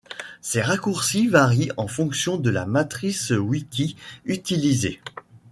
Ces raccourcis varient en fonction de la matrice wiki utilisée.